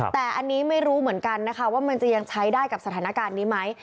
แต่อันนี้ไม่รู้เหมือนกันนะคะว่ามันจะยังใช้ได้กับสถานการณ์นี้ไหม